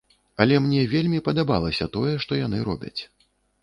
Але мне вельмі падабалася тое, што яны робяць.